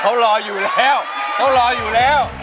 เขารออยู่แล้วเขารออยู่แล้ว